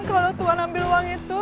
kalau tuhan ambil uang itu